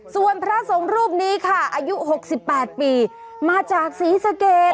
ส่วนพระสงฆ์รูปนี้ค่ะอายุหกสิบแปดปีมาจากศรีสเกต